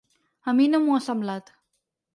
A mi no m’ho ha semblat.